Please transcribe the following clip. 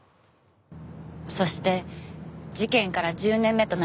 そして事件から１０年目となる今年。